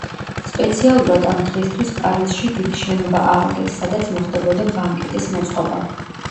სპეციალურად ამ დღისთვის პარიზში დიდი შენობა ააგეს, სადაც მოხდებოდა ბანკეტის მოწყობა.